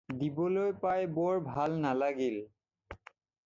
দিবলৈ পাই বৰ ভাল নালাগিল।